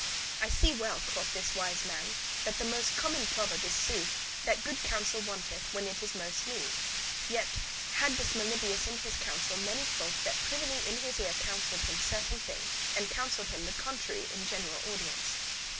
"I see well," quoth this wise man, "that the common proverb is sooth, that good counsel wanteth, when it is most need." Yet [besides, further] had this Melibœus in his council many folk, that privily in his ear counselled him certain thing, and counselled him the contrary in general audience.